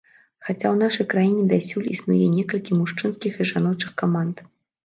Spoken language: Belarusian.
Хаця ў нашай краіне дасюль існуе некалькі мужчынскіх і жаночых каманд.